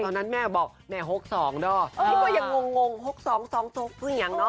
ตอนนั้นแม่บอกแม่๖๒เด้อนี่ก็ยังงง๖๒๒อย่างเนอ